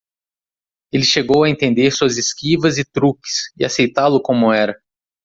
Ele chegou a entender suas esquivas e truques? e aceitá-lo como era.